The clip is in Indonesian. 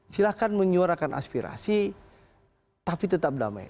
silahkan menyuarakan aspirasi tapi tetap damai